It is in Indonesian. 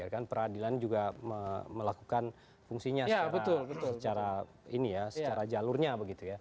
kan peradilan juga melakukan fungsinya secara ini ya secara jalurnya begitu ya